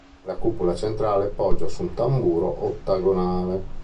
La cupola centrale, poggia su un tamburo ottagonale.